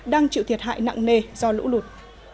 đang chịu thiệt hại nặng nề do lũ lụt